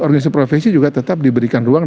organisasi profesi juga tetap diberikan ruang